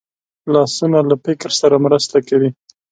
لاسونه له فکر سره مرسته کوي